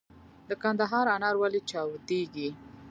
د کندهار انار ولې چاودیږي؟